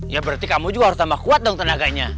ya berarti kamu juga harus tambah kuat dong tenaganya